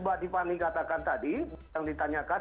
badi fani katakan tadi yang ditanyakan